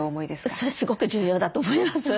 それすごく重要だと思います。